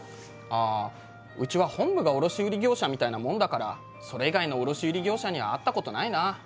ああうちは本部が卸売業者みたいなもんだからそれ以外の卸売業者には会ったことないなあ。